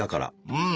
うん。